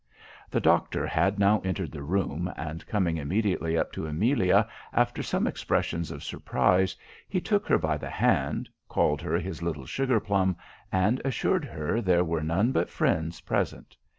"The doctor had now entered the room, and, coming immediately up to Amelia, after some expressions of surprize, he took her by the hand, called her his little sugar plum, and assured her there were none but friends present.